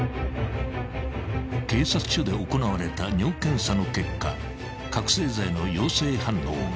［警察署で行われた尿検査の結果覚醒剤の陽性反応が］